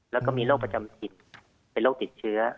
แล้วก็มีโรคประจำถิ่นเป็นโรคติดเชื้อ